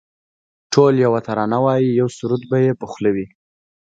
ټول یوه ترانه وایی یو سرود به یې په خوله وي